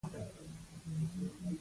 موزیک د جامو نه پرته ښکلا لري.